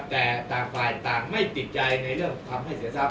แต่ต่างฝ่ายต่างไม่ติดใจในเรื่องทำให้เสียทรัพย